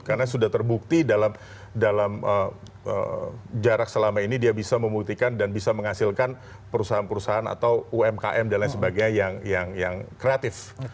karena sudah terbukti dalam jarak selama ini dia bisa memuktikan dan bisa menghasilkan perusahaan perusahaan atau umkm dan lain sebagainya yang kreatif